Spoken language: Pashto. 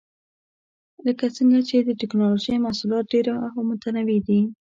لکه څنګه چې د ټېکنالوجۍ محصولات ډېر او متنوع دي.